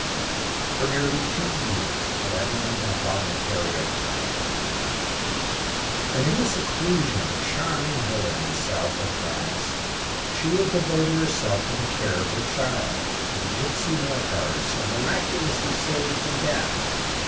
For nearly two years had Adeline been a voluntary exile from her native land; and, in the seclusion of a charming villa in the south of France, she had devoted herself to the care of her child, whom the gipsy Morcar had so miraculously saved from death.